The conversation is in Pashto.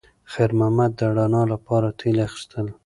خیر محمد د رڼا لپاره تېل اخیستل.